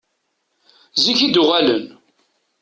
Zik i d-uɣalen.